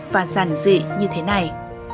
và giản dị như thế này